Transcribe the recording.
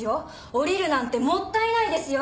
降りるなんてもったいないですよ。